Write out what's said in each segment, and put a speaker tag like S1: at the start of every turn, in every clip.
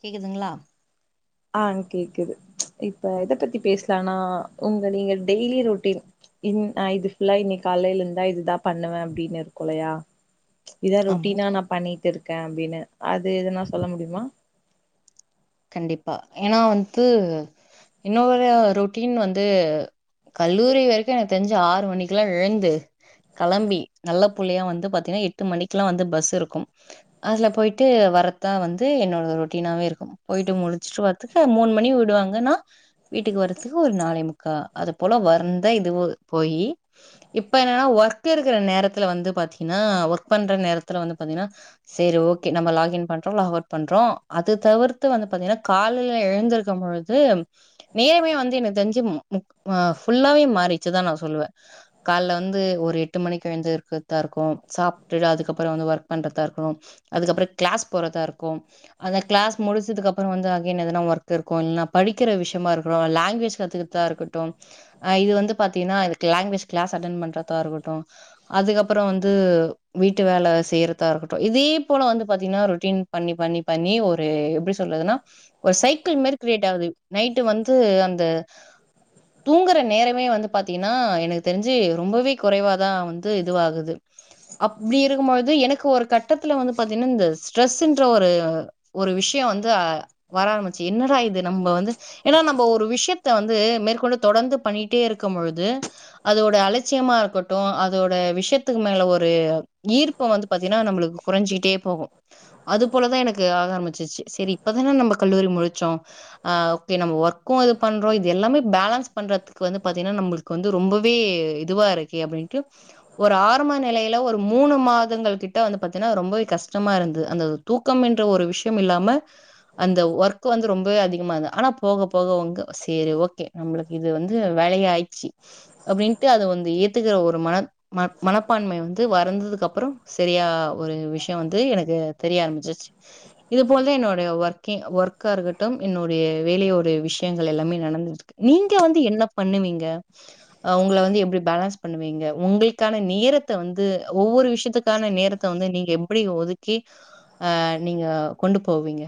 S1: கேக்குதுங்களா
S2: ஆஹ் கேக்குது இப்ப எத பத்தி பேசலானா உங்க நீங்க டெய்லி ரொடீன் நா இது ஃபுல்லா இன்னைக்கு காலையில இருந்தா இதுதான் பண்ணுவேன் அப்படின்னு இருக்குலையா இதா
S1: ஆமா
S2: ரொட்டீனா நா பண்ணிட்டு இருக் கே அப்டினு அது எதுனா சொல்ல முடியுமா
S1: கண்டிப்பா ஏனா வந்த்து என்னோட ரொட்டீன் வந்து கல்லூரி வரைக்கு எனக்கு தெஞ்சு ஆறு மணிக்கெல்லா எழுந்து கெளம்பி நல்ல புள்ளையா வந்து பாத்தீங்னா எட்டு மணிக்கெல்லா வந்து பஸ் இருக்கும் அதுல போய்ட்டு வர்றத்தா வந்து என்னோட ரொட்டீனாவே இருக்கும். போயிட்டு முடிச்சுட்டு வரத்துக்கு மூணு மணி விடுவாங்கன்னா வீட்டுக்கு வரதுக்கு ஒரு நாளே முக்கா அது போல வரந்த இது வு போய் இப்ப என்னன்னா ஒர்க் இருக்கிற நேரத்துல வந்து பாத்தீங்னா ஒர்க் பண்ற நேரத்துல வந்து பாத்தீங்னா செரி ஓகே நம்ம லாகின் பண்றோ லாக் அவுட் பண்றோ அது தவிர்த் த்து வந்து பாத்தீங்கன்னா காலைல எழுந்திருக்கும்பொழுது நேரமே வந்து எனக்கு தெரிஞ்சு மு முக் ஃபுல்லாவே மாரிச்சுதா நா சொல்லுவே கால்ல வந்து ஒரு எட்டு மணிக்கு எழுந்திருக்கதா இருக்கு சாப்பிட்டுடு அதுக்கப்புற வந்து ஒர்க் பண்றதா இருக்கு அதுக்கப்புற கிளாஸ் போறதா இருக்கும் அதா கிளாஸ் முடிச்சதுகப்புற வந்து அகைன் எதுனா ஒர்க் இருக்கு இல்லனா படிக்கிற விஷியமா இருக்கறோ லாங்குவேஜ் கத்துக்கறதா இருக்கட்டு ஆ இது வந்து பாத்தீன்னா இதுக்கு லாங்குவேஜ் கிளாஸ் அட்டெண் பண்றதா இருக்கட்டு அதுக்கப்புற வந்து வீட்டு வேல செய்றத இருக்கட்டு இதேப்போல வந்து பாத்தீன்னா ரொட்டீன் பண்ணி பண்ணி பண்ணி ஒ- ரு எப்டி சொல்றதுன்னா ஒரு சைக்கிள் மேரி கிரியேட் ஆவுது நைட்டு வந்து அந்த தூங்குற நேரமே வந்து பாத்தீங்கன்னா எனக்கு தெரிஞ்சு ரொம்பவே குறைவாதா வந்து இதுவாகுது அப்டி இருக்கும்பொழுது எனக்கு ஒரு கட்டத்துல வந்து பாத்தீனா இந்த ஸ்ட்ரெஸ்ன்ற ஒரு ஒரு விஷ்யோ வந்து அ வர ஆரமிச்சி என்னடா இது நம்ப வந்து ஏனா நம்ப ஒரு விஷ்யத்த வந்து மேற்கொண்டு தொடந்து பண்ணிட்டே இருக்கும் பொழுது அதோட அலட்சியமா இருக்கட்டு அதோட விஷ்யத்துக்கு மேல ஒரு ஈர்ப்போ வந்து பாத்தீனா நம்புளுக்கு குறைஞ்சிகிட்டே போகும் அது போலதா எனக் [unintelligible] ஆக ஆரம்சுருச்சு சரி இப்ப தான நம்ப கல்லூரி முடிச்சோம் ஆ ஓகே ஒர்க்கும் இது பண்றோம் இது எல்லாமே பேலன்ஸ் பண்றதுக்கு வந்து பாத்திங்கன்னா நம்ளுக்கு வந்து ரொம்பவே இதுவா இருக்கே அப்டீன்டு ஒரு ஆரம்ப நிலையில ஒரு மூனு மாதங்கள் கிட்ட ரொம்பவே கஷ்டமா இருந்துது அந்த தூக்கம் என் ஒரு விஷியம் இல்லாம அந்த ஒர்க் வந்து ரொம்பவே அதிகமா இருந்து ஆனா போக போக உங்க சேரி ஓகே நம்மளுக்கு இது வந்து வேலயு ஆயிச்சி அப்படின்ட்டு அத வந்து ஏத்துக்கிற ஒரு மன ம மனப்பான்மை வந்து வறந்ததுக்கு அப்புறோ செரியா ஒரு விஷிய வந்து எனக்கு தெரிய ஆரம்பிச்சுருச்சு இது போல்வே என்னோட ஒர்கே ஒர்க்காருக்கட்டு என்னுடைய வேலையோடைய விஷ்யங்கள் எல்லாமே நடந்துட்டுருக்கு நீங்க வந்து என்ன பண்ணுவீங்க ஆ உங்கள வந்து எப்டி பேலன்ஸ் பண்ணுவீங்க உங்களுக்கான நேரத்த வந்து ஒவ்வொரு விஷியத்துக்கான நேரத்த வந்து நீங்க எப்படி ஒதுக்கி ஆ நீங்க கொண்டு போவீங்க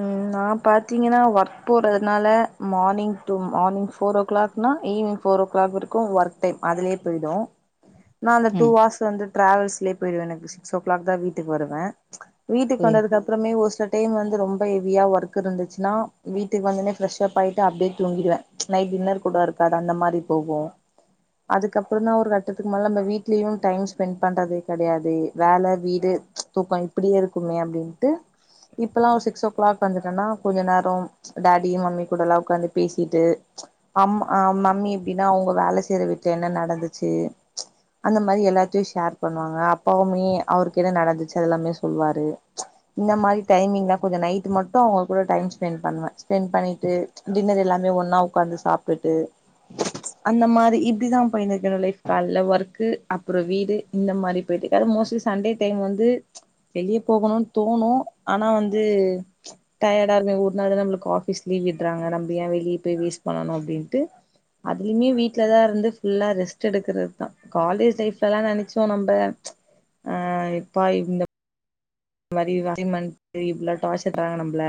S2: ம் நான் பாத்தீங்கன்னா ஒர்க் போறதுனால மார்னிங் டு மார்னிங் ஃபோர் ஓ கிளாக்னா ஈவினிங் போஃபோர் ஓ கிளாக் வரைக்கும் ஒர்க் டைம் அதுலயே போய்டும் நா அந்த டூ
S1: ம்.
S2: வார்ஸ் வந்துட் ட்ராவல்ஸ்லே போயிருவ எனக்கு சிக்ஸ் ஓ கிளாக் தா வீட்டுக் வருவே ப்ச் வீட்டுக்
S1: புரியுது.
S2: வந்ததுக்கு அப்பறமே ஒ ஸ்டா டைம் வந்து ரொம் ம்ப ஹெவியா ஒர்க் இருந்துச்சுன்னா வீட்டுக்கு வந்துன்னே ஃபிரஷப் ஆய்ட்டு அப்டியே தூங்கிடுவே நைட் டின்னர் கூட இருக்காது அந்த மாதிரி போகு அதுக்கப்புறந்தா ஒரு கட்டத்துக்கு மேல நம்ம வீட்லயு டைம் ஸ்பென்ட் பண்றது கெடயாது வேல வீடு தூக்கொ இப்டியே இருக்குமே அப்டின்ட்டு இப்பல்லா சிக்ஸ் ஓக் கிளாக் வந்துட்டனா கொஞ்ச நேரம் டாடி மம்மி கூட லா உட்காந்து பேசிட்டு அம் அஹ் மம்மி எப்படின்னா அவங்க வேலை செய்ற வீட்ல என்ன நடந்துச்சு அந்த மாதிரி எல்லாத்தையும் ஷேர் பண்ணுவாங்க அப்பவுமே அவருக்கு என்ன நடந்துச்சு அத எல்லாமே சொல்லுவாரு இந்த மாதிரி டைமிங்ல கொஞ்சம் நைட்லா இது மட்டு அவுங்க கூட டைம் ஸ்பெண்ட் பண்ணுவே ஸ்பெண்ட் பண்ணிட்டு டின்னர் எல்லாமே மே ஒன்னா உக்காந்து சாப்டுட்டு அந்த மாரி இப்டிதா போய்னிருக்கு என்னோட லைஃப் கால்ல ஒர்க்கு அப்புற வீடு இந்த மாரி போய்ட்ருகு அதும் மோஸ்லி சண்டே டைம் வந்து வெளிய போகோணுன் தோணு ஆனா வந்து ப்ச் டயடா ஒரு நாள் தான நம்மளுக்கு ஆபீஸ் லீவ் விட்றாங்க நம்ப ஏ வெளியே போய் வேஸ்ட் பண்ணணு அப்படின்ட்டு அதுலயுமே வீட்டுலதா இருந்து புல்லா ரெஸ்ட் எடுக்கிறதுதா காலேஜ் லைஃப்ல எல்லா நெனைச்சோ நம்ப அ இப்ப இந்த [inaudible] இவ்ளா டார்ச்சர் தராங்க நம்பள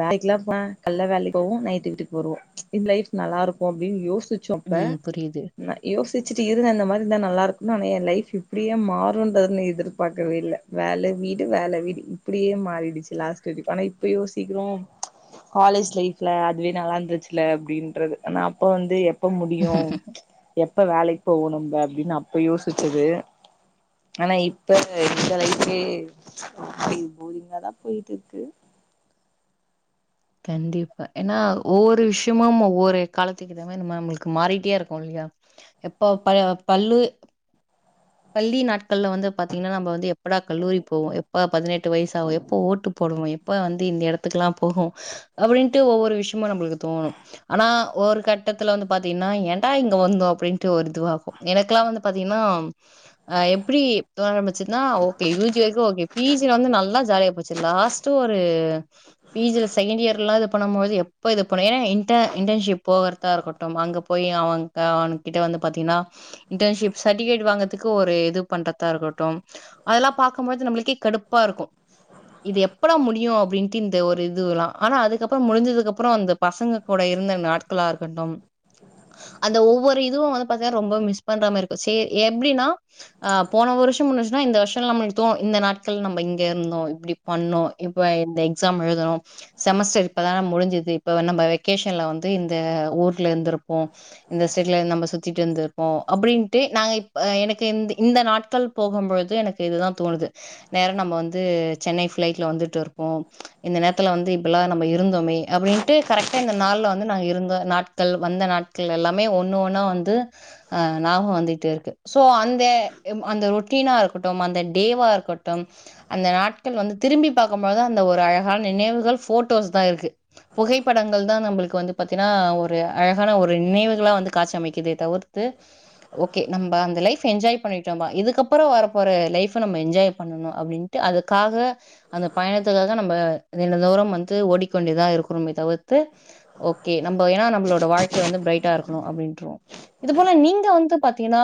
S2: வேலைக்லா [inaudible] கல்ல [inaudible] நைட்டு வீட்டுக் வருவோ இந் லைஃப் நல்லா இருக்கூ அப்டின் யோஸ் த்துசொப்ப
S1: ம் புரியுது
S2: ந யோஸ் தெச்சிட்டு இருங்க அந்த மாதிரி தா நல்லா இருக்கு ஆனா என் லைஃப் இப்டியே மாறுன்றதுன் எதிர் பாக்கவேல்ல வேல வீட் வேல வீடு இப்டியே மாறிடுச்சு லாஸ்ட் வரிக் ஆனா இப்ப யோசீக்கிறோ காலேஜ் லைப்ல அதுவே நல்லாந்துருச்சுல அப்டின்றது ஆனா அப்ப வந்து எப்ப முடியு ப்ச் எப் இப்ப வேலைக்கு போகனும்ப அப்படின் அப்ப யோசிச்சது ஆனா இப்ப எங்களைக்கே து போரிங் போரிங்காதா போயிட்டு இருக்கு
S1: கண்டிப்பா ஏன்னா ஒவ்வொரு விஷ்யமும் ஒவ்வொரு காலத்துக்கு ஏத்த மாரி நம நம்மளுக்கு மாறிட்டே இருக்கு இல்லியா எப்ப ப பல்லு பள்ளி நாட்கள்ல வந்து பாத்தீங்கனா நம்ப வந்து எப்படா கல்லூரி போவோ எப்ப பதினெட்டு வயசு ஆகு எப்போ ஓட்டு போடுவோ இப்ப வந்து இந்த இடத்துக்கு எல்லா போகு அப்படின்னுட்டு ஒவ்வொரு விஷியமா நம்பளுக்கு தோணு ஆனா ஒரு கட்டத்துல வந்து பாத்தீங்கனா ஏன்டா இங்க வந்தோ அப்படின் ஒரு இதுவாகு எனக்ல்லா வந்து பாத்தீங்ன்னா ஆ எப்டி ஆரம்பிச்சுதுன்னா ஓகே யூஜி வரைக்கும் ஓகே பிஜ வந்து நல்லா ஜாலியா போச்சு லாஸ்ட்டு ஒரு பிஜில செகண்ட் இயர் எல்லாம் இது பண்ணும்போது எப்ப இது பண்ணும் ஏன்னா இன்டர்ன்ஷிப் போகர்தா இருக்கட்டும் அங்க போய் அவங்க அவ கிட்ட வந்து பாத்தீங்கன்னா இர்டன்ஷிப் சர்டிபிகேட் வாங்க துக்கு ஒரு இது பண்றதா இருக்கட்டும் அதெல்லா பாக்கும்பொழுது நம்ப்ளுக்கே கடுப்பா இருக்கு இது எப்படா முடியு அப்படின்ட்டு இந்த ஒரு இதுல்லாம் ஆனா அதுக்கப்புறம் முடிஞ்சதுக்கு அப்புறம் அந்த பசங்க கூட இருந்த நாட்களா இருக்கட்டும் அந்த ஒவ்வொரு இதுவும் வந்து பாத்தினா ரொம்ப மிஸ் பண்ற மாருக்கும் ச ஏ எப்படினா அ போன வருஷ முடிஞ்ச்சுன்னா இந்த வருஷம்ல நம்மளுக்கு தோணும் இந்த நாட்கள் நம்ம இங்க இருந்தோம் இப்படி பண்ணோம் இப்ப இந்த எக்ஸாம் எழுதுணோ செமஸ்டர் இப்பதான முடிஞ்சது இப்ப நம்ம வெகேஷன்ல வந்து இந்த ஊர்ல இருந்திருப்போ இந்த ஸ்டேட்ல நம்ம சுத்திட்டு இருந்திருப்போ அப்படின்ட்டு நாங்க எனக்கு இந்த இந்த நாட்கள் போகும்பொழுது எனக்கு இதுதான் தோணுது நேரம் நம்ம வந்து சென்னை ஃப்ளைட்ல வந்துட்டு இருபோம் இந்த நேரத்துல வந்து இப்பல்லாம் நம்ம இருந்தோமே அப்படின்ட்டு கரெக்டா இந்த நாள்ல வந்து நாங்கள் இருந்த நாட்கள் வந்த நாட்கள் எல்லாமே ஒண்ணு ஒன்னா வந்து அஹ் நாபம் வந்துட்டே இருக்கு சோ அந்த ம் அந்த ரொட்டீனா இருக்கட்டும் அந்த டேவா இருக்கட்டும் அந்த நாட்கள் வந்து திரும்பி பார்க்கும்பழுதுதான் அந்த ஒரு அழகான நினைவுகள் போட்டோஸ் தான் இருக்கு புகைப்படங்கள் தான் நம்மளுக்கு வந்து பாத்தீன்னா ஒரு அழகான ஒரு நினைவுகளா வந்து காட்சி அமைக்கத தவிர்த்து ஓகே நம் ப்ப அந்த லைஃப் என்ஜாய் பண்ணீட்ருந்தோ இதுக்கப்பறோ வரப்போற லைஃப் நம்ம என்ஜாய் பண்ணனும் அப்டீன்டு அதுக்காக அந்த பயணத்துக்காக நம்ம வந்து நீண்ட தூரம் வந்து ஓடிக்கொண்டு தா இருக்கறோமே தவிர்த்து ஓக்கே நம்ப ஏன்னா நம்மளோட வாழ்கை வந்து ப்ரைட்டா இருக்கணும் அப்டீன்றுவோ இது போல் நீங்க வந்து பாத்தீங்கன்னா ன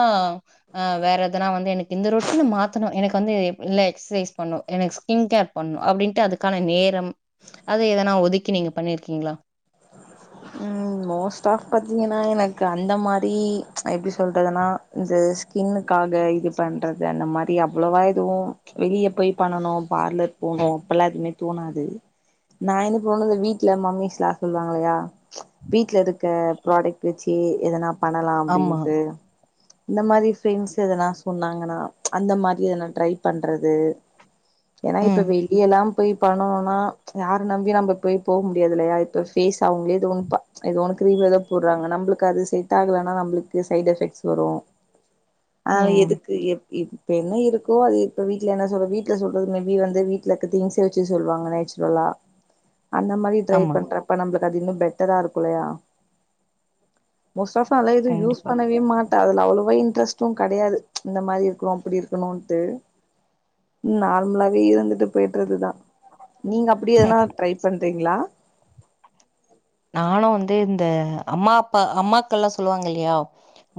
S1: ஆஹ் வேற எதனா வந்து எனக்கு இந்த ரொட்டின மாத்தணும் எனக்கு வந்து இல்ல எக்ஸசைஸ் பண்ணும் எனக்கு ஸ்கின் கேர் பண்ணும் அப்டின்ட்டு அதுக்கான நேரம் அது எதனா ஒதுக்கி நீங்க பண்ணிருக்கீங்ளா
S2: உம் மோஸ்ட் ஆப் பாத்தீங்கன்னா எனக் க அந்த மாரி எப்டி சொல்றதுனா இந்த ஸ்கின்னுக்காக இது பண்றது அந்த மாரி அவ்ளவா எதுவும் வெளிய போய் பண்ணனும் பார்லர் போணும் அப்பல்லாம் எதுமே தோணாது நான் என்ன [unintelligible] சொல்லுவாங்கையா வீட்ல இருக்க ப்ராடக்ட் வச்சு எதனா பண்ணலாம்
S1: ஆமா.
S2: அப்டின்ட்டு இந்த மாதிரி [unintelligible] எதனா சொன்னாங்கன்னா அந்த மாரி எல்லா ட்ரை பண்றது ஏன்னா இப்ப
S1: ம்.
S2: வெளிய எல்லாம் போய் பண்ணோனா யாரரு நம்பி நம்ம போய் போக முடியாதுலல்லையா இப்ப ஃபேஸ் அவங்களே ஏதோணு ப ஏதோ ஒண்ணு கிரீம் எதோ போடுறாங்க நம்மளுக்கு அது செட் ஆகலனா நம்மளுக்கு சைட் எஃபெக்ட்ஸ் வரூ ஆஹ்
S1: ம்.
S2: எதுக்கு எ இப்ப என்ன இருக்கோ அது இப்ப வீட்ல என்ன சொல்ற வீட்ல சொல்றது மேபி வந்து வீட்டுல இருக்க திங்ஸ வச்சு சொல்வாங்க நேச்சுரலா அந்த மாரி ட்ரை
S1: ஆமா.
S2: பண்ற நம்ளுக்கு அது இன்னும் பெட்டரா இருக்கும் இல்லையா மோஸ்ட் ஆப் நா லா எதூ யூஸ்
S1: கண்டிப்பா.
S2: பண்ணவே மாட் அதுல அவ்வளவா இன்ட்ரெஸ்ட்டும் கிடையாது இந்த மாதிரி இருக்கணும் அப்படி இருக்கணும்ன்ட்டு நார்மலாவே இருந்துட்டு போயிட்டுறதுதான் நீங்க அப்டி எதனா ட்ரை பண்றீங்ளா
S1: நானும் வந்து இந்த அம்மா அப்பா அம்மாக்கள்ல்லாம் சொல்லுவாங்க இல்லையா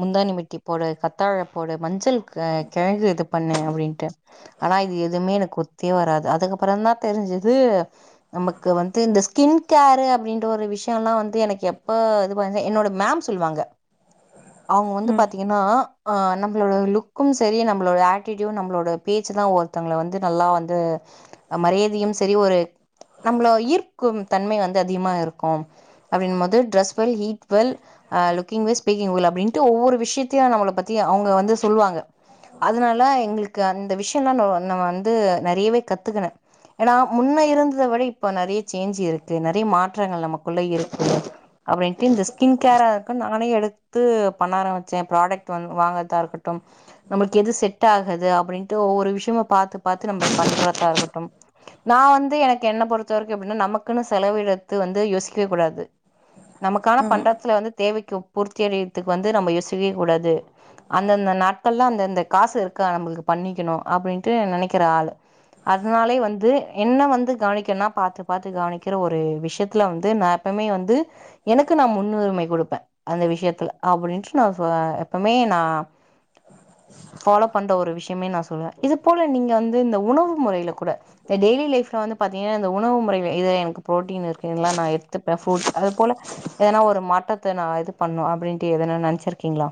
S1: முந்தாணி வெட்டி போடு கத்தாழ போடு மஞ்சள் [unintelligible] பண்ணேன் அப்டின்ட்டு ஆனா இது எதுவுமே எனக்கு ஒத்தே வராது அதுக்கப்புறம் தான் தெரிஞ்சது நமக்கு வந்து இந்த ஸ்கின் கேரு அப்படின்ற ஒரு விஷ் ல்லாம் வந்து எனக்கு எப்ப இது ப என்னோட மேம் சொல்லுவாங்க அவங்க வந்து
S2: ம்
S1: பாத்தீங்கன்னா ஹ நம்மளோட லுக்கும் சரி நம்மளோட ஆட்டடியூ நம்மளோட பேச்சுலான் ஒருத்தவங்களளை வந்து நல்லா வந்து மரியாதையும் சரி ஒரு நம்மள ஈர்க்கும் தன்மை வந்து அதிகமாக இருக்கும் அப்படின்மோது dress well eat well looking well speaking well அப்டின்ட்டு ஒவ்வொரு விஷயத்தையும் நம்மளை பத்தி அவங்க வந்து சொல்லுவாங்க அதனால எங்களுக்கு அந்த விஷயம் எல்லாம் நம்ம வந்து நிறையவே கத்துக்கனேன் ஏன்னா முன்ன இருந்ததை விட இப்ப நிறைய சேஞ்ச் இருக்கு நிறைய மாற்றங்கள் நமக்கு குள்ள இருக்கு அப்டீன்டு இந்த ஸ்கின் கேரா இருக்குன்னு நானே எடுத்து பண்ண ஆரம்ச்சேன் ப்ராடக்ட் வந் வாங்கறதா இருக்கட்டும் நம்ளுக்கு எது செட் ஆகுதுனு அப்படின்டு ஒவ்வொரு விஷயமு பாத்து பாத்து நம்ம பண்றதா இருக்கட்டும் நான் வந்து எனக்கு என்ன பொறுத்தவரைக்கு எப்டீனா நமக்குன்னு செலவு எடுத்து வந்து யோசிக் [unintelligible] கூடாது நமக்கான
S2: ம்
S1: பன்றத்துல வந்து தேவை கு பூர்த்தி அடையறதுக்கு வந்து நம்ம யோசிக்கவே கூடாது அந்தந்த நாட்கள்ல அந்தந்த காசு இருக்கா நம்மளுக்கு பண்ணிக்கணு அப்படின்ட்டு நெனைக்கிற ஆளு அதனாலே வந்து என்ன வந்து கவனிக்கனுனா பார்த்து பார்த்து கவனிக்கிற ஒரு விஷயத்துல வந்து து நான் எப்பமே வந்து எனக்கு நான் முன்னுரிமை குடுப்பேன் அந்த விஷயத்துல அப்டின்ட்டு நான் எப்பமே நான் ஃபாலோ பண்ற ஒரு விஷயமே நான் சொல்லுவன் இது போல நீங்க வந்து இந்த உணவு முறையில் கூட இந்த டெய்லி லைஃப்ல வந்து பாதிங்கனா இந்த உணவு முறைகள் இது எனக்கு புரோட்டீன் இருக்குங்ளா [unintelligible] [unintelligible] அது போல ஏனா ஒரு மாட்டத்தை நான் இது பண்ணும் அப்படின்ட்டு எதன நினைச்சிருக்கீங்களா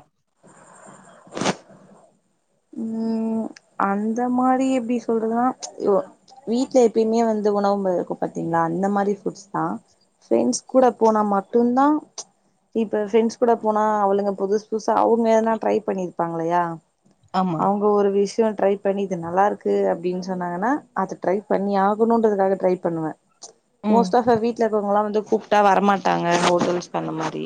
S2: உம் அந்த மாரி எப்டி சொல்றதுன்னா ச் வீட்ல எப்யுமே வந்து உணவு இருக்கும் பாத்தீங்களா அந்த மாரி ஃப்ரூட்ஸ் தான். பிரண்ட்ஸ் கூட போனா மட்டும் தான் ச் இப்ப பிரண்ட்ஸ் கூட போனா அவளுங்க புதுசு புதுசா அவுங்க எதனா ட்ரை பண்ணிருப்பாங்கலியா.
S1: ஆமா
S2: அவங்க ஒரு விஷய ட்ரை பண்ணி இது நல்லா இருக்கு அப்படின்னு சொன்னாங்கன்னா அது ட்ரை பண்ணி ஆகணும்ன்றதுக்காக ட்ரை பண்ணுவே ச்
S1: ம்
S2: மோஸ்ட் [unintelligible] வீட்ல இருக்கவங்களா வந்து. கூப்டா வரமாட்டாங்க. ஹோட்டல்ஸ் அந்த மாரி.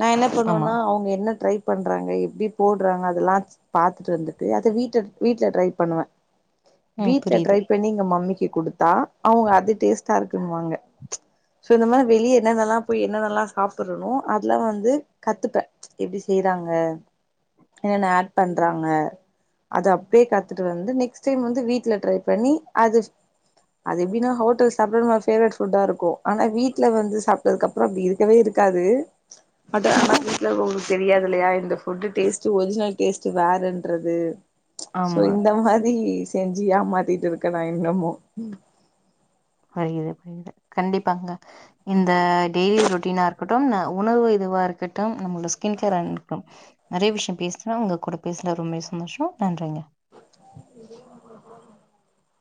S2: நா என்ன
S1: ஆமா
S2: பண்ணுவனா அவுங்க என்ன ட்ரை. பண்றாங்க எப்படி போடுறாங்க அதெல்லா பாத்துட்டு வந் அதயாவது வீட்ட வீட்ல ட்ரை பண்ணுவன்
S1: ம்
S2: வீட்ல
S1: புரியுது
S2: ட்ரை பண்ணி எங்க மம்மி. குடுத்தா அவங்க அது டேஸ்ட்டா இருக்குன்னுவாங்கோ இந்த மாதிரி வெளியே என்னன்னல்லா போய் என்ன நல்லா சாப்பறனும் அதெல்லாம் வந்து கத்துப்பேன் எப்படி செய்யறாங்க என்னன்ன ஆட் பண்றாங்க அது அப்டியே கத்துட்டு வந்து நெக்ஸ்ட் டைம் வந்து வீட்ல ட்ரை பண்ணி அது அது எப்டின்னா ஹோட்டல் சாபட நம்ம பேவரட் ஃபுட்டா இருக்கோ. ஆனா வீட்ல வந்து சாப்டதுக்கு அப்பபறம் அப்டி இருக்கவே இருக்காது [inaudible] தெரியாதில்லையா இந்த ஃபுட்டு டேஸ்ட் ஒரிஜினல் டேஸ்ட்டு வேறன்றது. வெ சோ
S1: ஆமா
S2: இந்த மாரி. செஞ்சு ஏமாத்திட்டு இருக்க நா இன்னமோ.
S1: பகுது புது கண்டிப்பாங்க இந்த டெய்லி ரொட்டீனா இருக்கட்டும் ந உணவு இதுவா இருக்கட்டும் நம்ம ஸ்கின் கேர் இருக்கட்டும் நிறைய விஷயம் பேசுா உங்க கூட பேசல ரொம்ப சந்தோஷம் நன்றிங்க
S2: [inaudible]